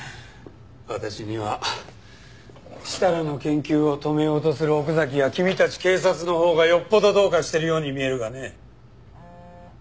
私には設楽の研究を止めようとする奥崎や君たち警察のほうがよっぽどどうかしてるように見えるがね。